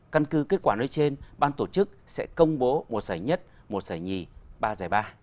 căn cứ kết quả nơi trên ban tổ chức sẽ công bố một giải nhất một giải nhì ba giải ba